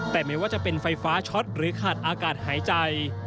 แต่ไม่ว่าจะเป็นไฟฟ้าช็อตหรือขาดอากาศหายใจ